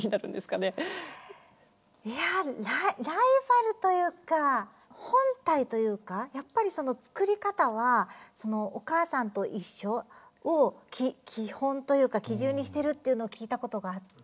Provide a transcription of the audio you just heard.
いやライバルというか本体というかやっぱり作り方は「おかあさんといっしょ」を基本というか基準にしているっていうのを聞いたことがあって。